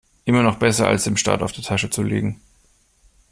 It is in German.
Immer noch besser, als dem Staat auf der Tasche zu liegen.